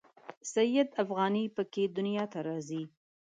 سید افغاني په کې دنیا ته راځي.